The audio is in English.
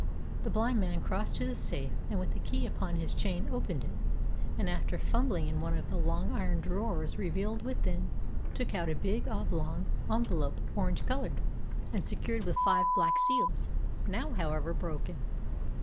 The blind man crossed to the safe, and with the key upon his chain opened it, and, after fumbling in one of the long iron drawers revealed within, took out a big oblong envelope, orange coloured, and secured with five black seals, now, however, broken.